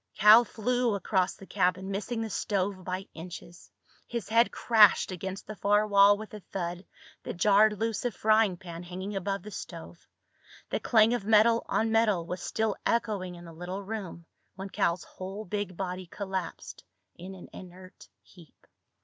Cal flew across the cabin, missing the stove by inches. His head crashed against the far wall with a thud that jarred loose a frying pan hanging above the stove. The clang of metal on metal was still echoing in the little room when Cal's whole big body collapsed in an inert heap.